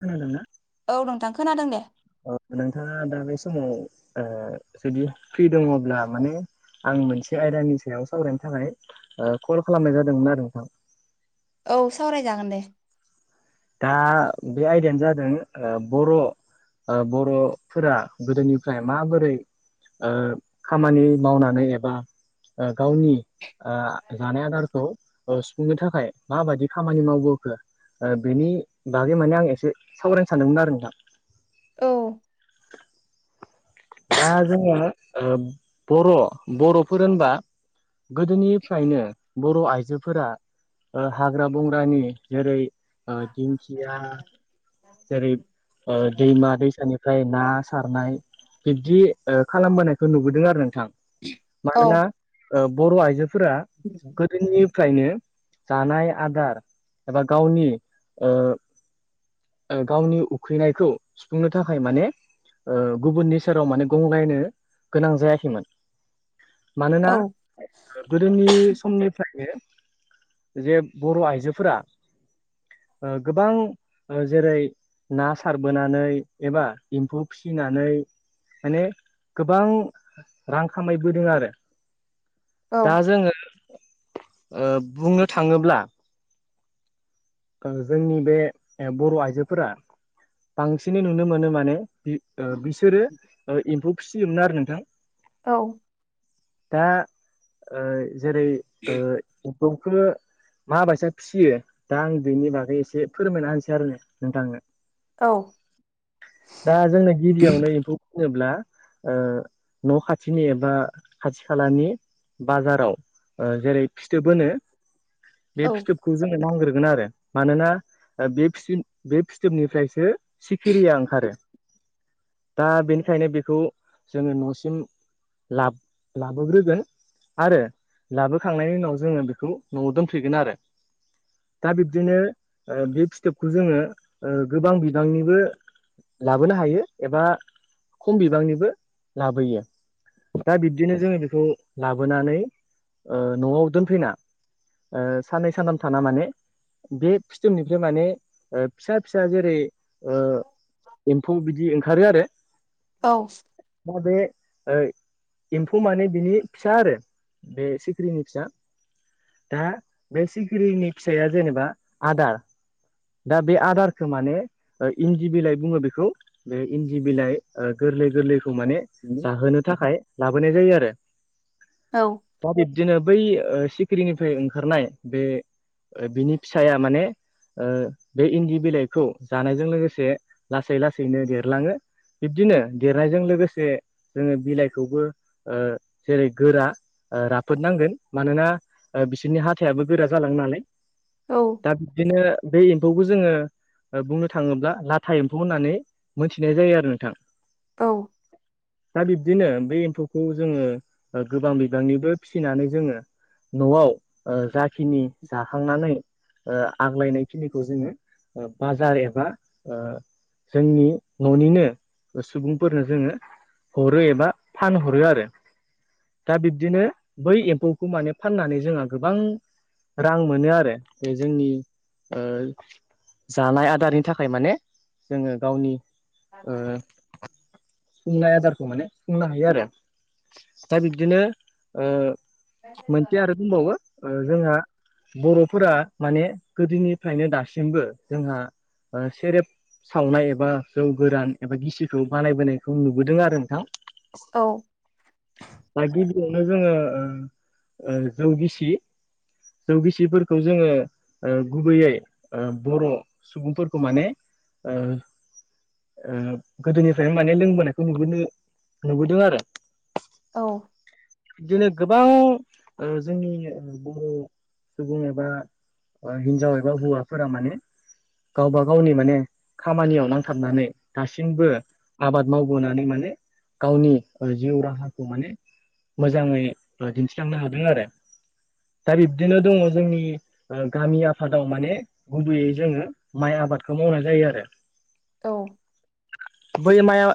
खोनादोंना? औ नोंथां खोनादों दे। अ नोंथाङा दा बे समाव ओ जुदि फ्रि दङब्ला माने आं मोनसे आयदानि सायाव सावरायनो थाखाय ओ कल खालामनाय जादोंमोन आरो नोंथां। औ सावरायजागोन दे। दा बे आयदायानो ओ जादों बर' ओ बर'फोरा गोदोनिफ्राय माबोरै ओ खामानि मावनानै एबा ओ गावनि ओ जानाय आदारखौ सुफुंनो थाखाय माबादि खामानि मावबोखो? ओ बेनि बागै माने आं एसे सावरायनो सानदोंमोन आरो नोंथां। औ दा जोङो ओ बर' बर'फोर होनबा गोदोनिफ्रायनो बर' आइजोफोरा ओ हाग्रा बंग्रानि जेरै- ओ दिंखिया जेरै [unintelligible] ओ दैमा दैसानिफ्राय ना सारनाय बिब्दि ओ खालामबोनायखौ नुबोदों आरो नोंथां। औ मानोना ओ बर' आइजोफोरा [inaudible] निफ्रायनो जानाय आदार एबा गावनि ओ ओ गावनि उखैनायखौ सुफुंनो थाखाय माने ओ गुबुननि सेराव माने गंग्लायनो गोनां जायाखैमोन मानोना औ गोदोनि समनिफ्रायनो जे बर' आइजोफोरा ओ गोबां जेरै ना सारबोनानै एबा एम्फौ फिसिनानै माने गोबां रां खामायबोदों आरो। औ दा जोङो ओ बुंनो थाङोब्ला। ओ जोंनि बे बर' आइजोफोरा बांसिनै नुनो मोनो माने ओ बिसोरो एम्फौ फिसियोमोन आरो नोंथां। औ दा ओ जेरै ओ फौखो माबायसाया फिसियो दा आं बेनि बागै एसे फोरमायना होनसै आरो नोंथांनो औ दा जोंनो गिबियावनो एम्फौ होनोब्ला ओ न' खाथिनि एबा खाथि खालानि बाजाराव जेरै फिथोब होनो बे फिथोबखौ जोङो नांग्रोगोन आरो। मानोना बे फि बे फिथोबनिफ्रायसो सिखिरिया ओंखारो। दा बेनिखायनो बेखौ जोङो न'सिम लाब-लाबोग्रोगोन। आरो लाबोखांनायनि उनाव जोङो बेखौ न'वाव दोनफैगोन आरो। दा बे बिदिनो बे फिथोबखौ जोङो ओ गोबां बिबांनिबो लाबोनो हायो एबा खम बिबांनिबो लाबोयो। दा बिब्दिनो जोङो बेखौ लाबोनानै ओ न'वाव दोनफैना ओ साननै सानथाम थाना माने बे फिथोमनिफ्राय माने ओ फिसा फिसा जेरै ओ एम्फौ बिदि ओंखारो आरो। औ दा बे ओ एम्फौ माने बिनि फिसा आरो बे सिख्रिनि फिसा दा बे सिखिरिनि फिसाया जेनेबा आदार दा बे आदारखौ माने इन्दि बिलाइ बुङो बेखौ बे इन्दि बिलाइ गोरलै गोरलैखौ माने उ जाहोनो थाखाय लाबोनाय जायो आरो। औ दा बिब्दिनो बै ओ सिखिरिनिफ्राय ओंखारनाय बे बिनि फिसाया माने ओ बे इन्दि बिलाइखौ जानायजों लोगोसे लासै लासैनो देरलाङो। बिब्दिनो देरनायजों लोगोसे जोङो बिलाइखौबो ओ जेरै गोरा ओ राफोद नांगोन मानोना बिसोरनि हाथायाबो गोरा जालाङो नालाय औ दा बिदिनो बे एम्फौखौ जोङो बुंनो थाङोब्ला लाथा एम्फौ होननानै मोनथिनाय जायो आरो नोंथां। औ दा बिब्दिनो बे एम्फौखौ जोङो गोबां बिबांनिबो फिसिनानै जोङो न'वाव ओ जाखिनि जाखांनानै ओ आग्लायनाय खिनिखौ जोङो ओ बाजार एबा ओ जोंनि न'निनो सुबुंफोरनो जोङो हरो एबा फानहरो आरो। दा बिब्दिनो बै एम्फौखौ माने फाननानै जोंहा गोबां रां मोनो आरो बे जोंनि ओ जानाय आदारनि थाखाय माने जोङो गावनि सुंनाय आदारखौ माने सुंनो हायो आरो दा बिब्दिनो ओ मोनसे आरो दंबावो ओ जोंहा बर'फोरा माने गोदोनिफ्रायनो दासिमबो जोंहा सेरेब सावनाय एबा जौ गोरान एबा गिसिखौ बानायबोनायखौ नुबोदों आरो नोंथां। औ दा गिबियावनो जोङो ओ ओ जौ गिसि जौ गिसिफोरखौ जोङो ओ गुबैयै ओ बर' सुबुंफोरखौ माने ओ ओ गोदोनिफ्राय माने लोंबोनायखौ नुबोनो नुबोदों आरो। बिदिनो गोबां ओ जोंनि बर' सुबुं एबा हिन्जाव एबा हौवाफोरा माने गावबा गावनि माने खामानियाव नांथाबनानै दासिमबो आबाद मावबोनानै माने गावनि जिउ राहाखौ माने मोजाङै ओ दिन्थिलांनो हादों आरो दा बिब्दिनो दङ जोंनि ओ गामि आफादाव माने गुबैयै जोङो माइ आबादखौ मावनाय जायो आरो औ बै माइ आ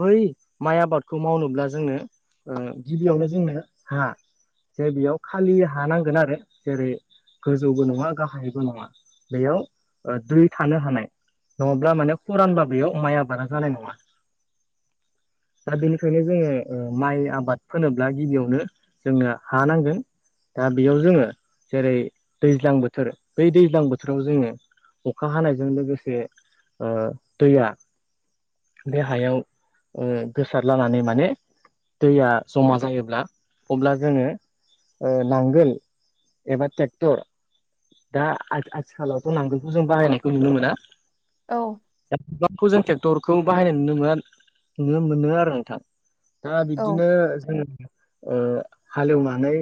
बै माइ आबादखौ मावनोब्ला जोङो ओ गिबियावनो जोंनो हा जे बेयाव खालि हा नांगोन आरो जेरै गोजौबो नङा गाहायबो नङा बेयाव ओ दै थानो हानाय नङाब्ला माने खरानबा बेयाव माइ आबादा जानाय नङा। [inaudible] दा बेनिखायनो जोङो ओ माइ आबाद फोनोब्ला गिबियावनो जोंनो हा नांगोन दा बेयाव जोङो जेरै दैज्लां बोथोर बै दैज्लां बोथोराव जोङो अखा हानायजों लोगोसे ओ दैया बे हायाव ओ गोसार लानानै माने दैया जमा जाहैब्ला अब्ला जोङो ओ नांगोल एबा ट्रेक्टर दा आ-आथिखालावथ' नांगोलखौ जों बाहायनायखौ नुनो मोना औ दा बिबांखौ जों ट्रेक्टरखौ बाहायनाय नुनो मोना नुनो मोनो आरो नोंथां दा बिदिनो जों ओ हालेवनानै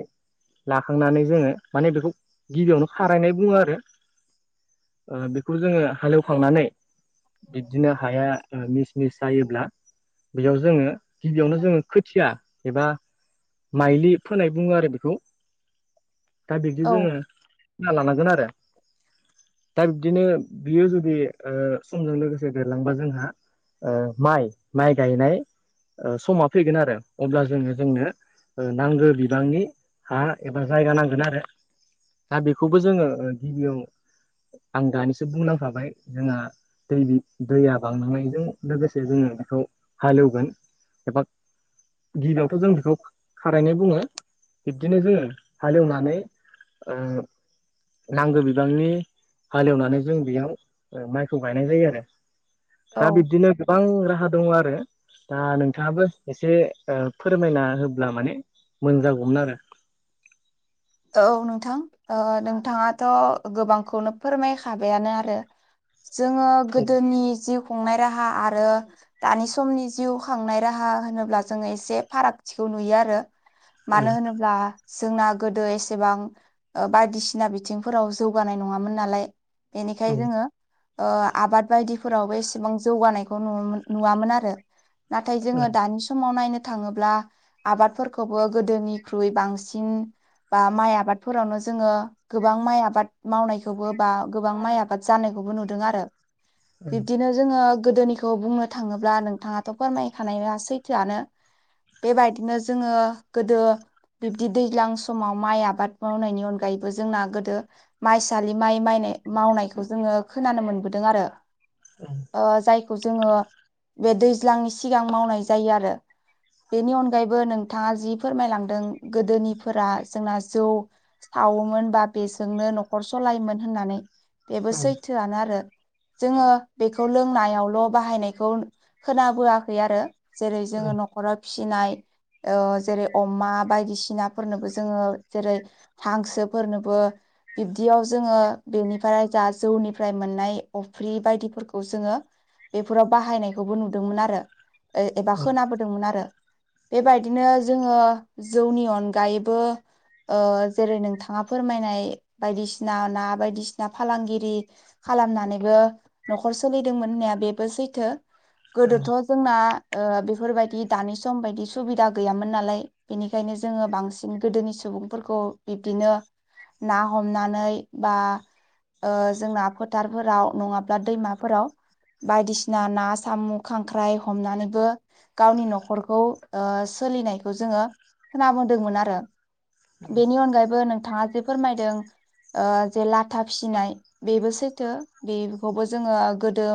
लाखांनानै जोङो माने बेखौ गिबियावनो खारायनाय बुङो आरो ओ बेखौ जोङो हालेवखांनानै बिब्दिनो हाया ओ मिस मिस जायोब्ला बेयाव जोङो गिबियावनो जोङो खोथिया एबा माइलि फोनाय बुङो आरो बेखौ दा बिदि औ जोङो फोना लानांगोन आरो दा बिबदिनो बियो जुदि ओ समजों लोगोसे देरलांबा जोंहा ओ माइ-माइ गायनाय ओ समा फैगोन आरो अब्ला जोङो जोंनो नांगौ बिबांनि हा एबा जायगा नांगोना आरो दा बेखौबो जोङो ओ गिबियाव आं दानिसो बुंलांखाबाय जोंहा दै दैया बांलांनायजों लोगोसे जोङो बेखौ हालेवगोन एबा गिबियावथ' जों बेखौ खारायनाय बुङो बिब्दिनो जोङो हालेवनानै ओ नांगौ बिबांनि हालेवनानै जों बेयाव माइखौ गायनाय जायो आरो। दा औ बिदिनो गोबां राहा दङ आरो दा नोंथाङाबो एसे ओ फोरमायना होब्ला माने मोजां जागौमोन आरो औ नोंथां ओ नोंथाङाथ' गोबांखौनो फोरमायखाबायानो आरो जोङो गोदोनि जिउ खुंनाय राहा आरो दानि समनि जिउ खांनाय राहा होनोब्ला जोङो एसे फारागथिखौ नुयो आरो औ मानो होनोब्ला जोंना गो - दो एसेबां ओ बायदिसिना बिथिंफोराव जौगानाय नङामोन नालाय बेनिखाय खोनादों जोङो ओ आबाद बायदिफोरावबो एसेबां जौगानायखौ नुम नुवामोन आरो नाथाय जोङो दानि समाव नायनो थाङोब्ला आबादफोरखौबो गोदोनिख्रुइ बांसिन बा माइ आबादफोरावनो जोङो गोबां माइ आबाद मावनायखौबो बा गोबां माइ आबाद जानायखौबो नुदों आरो बिबदिनो जोङो गोदोनिखौ बुंनो थाङोब्ला नोंथाङाथ' फोरमायखानाया सैथोआनो बेबायदिनो जोङो गोदो बिब्दि दैज्लां समाव माइ आबाद मावनायनि अनगायैबो जोंना गोदो माइसालि माइ माइनाय मावनायखौ जोङो खोनानो मोनबोदों आरो। [inaudible] ओ जायखौ जोङो बे दैज्लांनि सिगां मावनाय जायो आरो। बेनि अनगायैबो नोंथाङा जि फोरमायलांदों गोदोनि फोरा जोंना जौ सावोमोन बा बेजोंनो न'खर सलायोमोन होननानै बेबो सैथोआनो आरो। जोङो बेखौ लोंनायावल' बाहायनायखौ खोनाबोआखै आरो। जेरै जोङो न'खराव फिसिनाय ओ जेरै अमा बायदिसिना फोरनोबो जोङो जेरै हांसोफोरनोबो बिब्दियाव जोङो बेनिफ्राय जा जौनिफ्राय मोननाय अफ्रि बायदिफोरखौ जोङो बेफोराव बाहायनायखौबो नुदोंमोन आरो। ओ एबा खोनाबोदोंमोन आरो बेबायदिनो जोङो जौनि अनगा यैबो ओ जेरै नोंथाङा फोरमायनाय बायदिसिना ना बायदिसिना फालांगिरि खालामनानैबो न'खर सोलिदोंमोन होननाया बेबो सैथो गोदोथ' जोंना ओ बेफोरबायदि दानि सम बायदि सुबिदा गैयामोन नालाय बेनिखायनो जोङो बांस सिन गोदोनि सुबुंफोरखौ बिब्दिनो ना हमनानै बा ओ जोंना फोथारफोराव नङाब्ला दैमाफोराव बायदिसिना ना साम' खांख्राइ हमनानैबो गावनि न'खरखौ ओ सोलिनायखौ जोङो खोना बोदोंमोन आरो बेनि अनगायैबो नोंथाङा जे फोरमायदों ओ जे लाथा फिसिनाय बेबो सैथो बेखौबो जोङो गोदो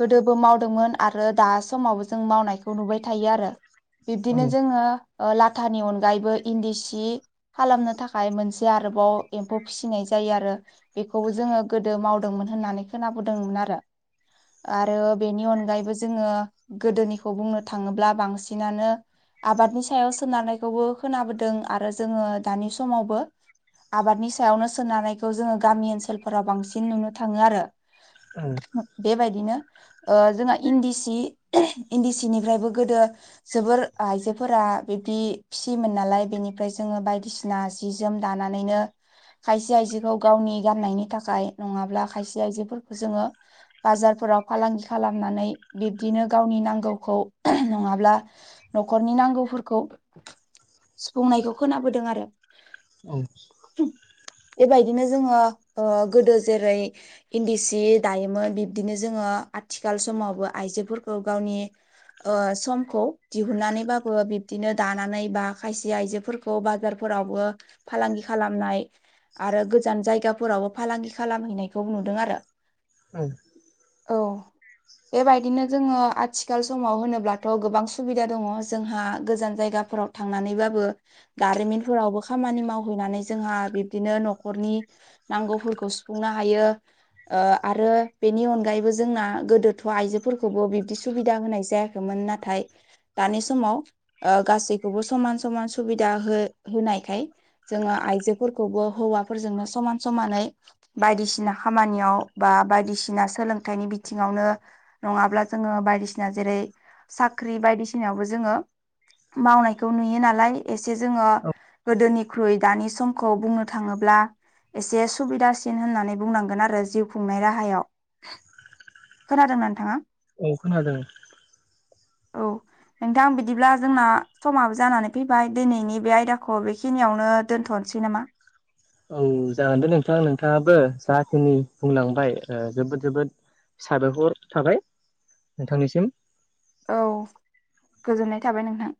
गोदोबो मावदोंमोन आरो दा समावबो जों मावनायखौ नुबाय थायो आरो। बिब्दिनो जोङो लाथानि अनगायैबो इन्दि सि खालामनो थाखाय मोनसे आरोबाव एम्फौ फिसिनाय जायो आरो। बेखौबो जोङो गोदो मावदोंमोन होननानै खोनाबोदोंमोन आरो। आरो बेनि अनगायैबो जोङो गोदोनिखौ बुंनो थाङोब्ला बांसिनानो आबादनि सायाव सोनारनायखौबो खोनाबोदों आरो जोङो दानि समावबो आबादनि सायावनो सोनारनायखौ जोङो गामि ओनसोलफोराव बांसिन नुनो थाङो आरो। औ। बेबायदिनो ओ जोंहा इन्दि सि इन्दि सि निफ्रायबो गोदो जोबोर आइजोफोरा बिदि फिसि सिमोन नालाय बेनिफ्राय जोङो बायदिसिना सि जोम दानानैनो खायसे आइजोखौ गावनि गान्नायनि थाखाय नङाब्ला खायसे आइजोफोरखौ जोङो बाजारफोराव फालांगि खालामनानै बिब्दिनो गावनि नांगौखौ नङाब्ला न'खरनि नांगौफोरखौ सुफुंनायखौ खोनाबोदों आरो। औ। बेबायदिनो जोङो ओ गोदो जेरै इन्दि सि दायोमोन बिब्दिनो जोङो आथिखाल समावबो आइजोफोरखौ गावनि ओ समखौ दिहुननानैबाबो बिब्दिनो दानानै बा खायसे आइजोफोरखौ बाजारफोरावबो फालांगि खालामनाय आरो गोजान जायगाफोरावबो फालांगि खालामहैनायखौ नुदों आरो। औ। औ। बेबायदिनो जोङो आथिखाल समाव होनोब्लाथ' गोबां सुबिदा दङ जोंहा गोजान जायगाफोराव थांनानैबाबो दारिमिनफोरावबो खामानि मावहैनानै जोंहा बिब्दिनो न'खरनि नांगौफोरखौ सुफुंनो हायो। ओ आरो बेनि नाथाय दानि समाव ओ गासै खौबो समान समान सुबिदा हो होनायखाय जोङो आइजोफोरखौबो हौवाफोरजोंनो समान समानै। बायदिसिना खामानियाव बा बायदिसिना सोलोंथाइनि बिथिङावनो नङाब्ला जोङो बायदिसिना जेरै साख्रि बायदिसिनायावबो जोङो मावनाय नुयो नालाय एसे जोङो गोदोनिख्रुइ दानि समखौ बुंनो थाङोब्ला एसे सुबिदासिन होननानै बुंनांगोन आरो जिउ खुंनाय राहायाव। खोनादों नोंथाङा? अ खोनादों। औ नोंथां बिदिब्ला जोंना समाबो जानानै फैबाय दिनैनि बे आयदाखौ बेखिनियावनो दोनथ'नोसै नामा? औ जागोन दे नोंथां नोंथाङाबो जाखिनि बुंलांबाय जोबोद जोबोद साबाय हर थाबाय नोंथांनिसिम। औ गोजोननाय थाबाय नोंथां।